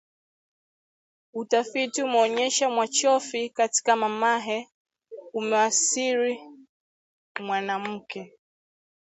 Utafiti umeonyesha Mwachofi katika Mama Ee amesawiri mwanamke